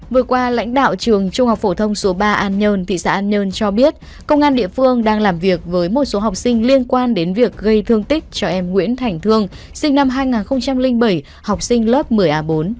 vừa qua lãnh đạo trường trung học phổ thông số ba an nhơn thị xã an nhơn cho biết công an địa phương đang làm việc với một số học sinh liên quan đến việc gây thương tích cho em nguyễn thành thương sinh năm hai nghìn bảy học sinh lớp một mươi a bốn